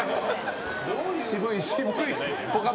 渋い、渋い。